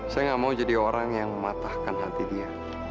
saya nggak mau jadi orang yang mematahkan hati dia